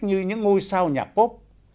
như những ngôi sao nhà pop